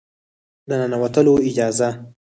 د ننوتلو اجازه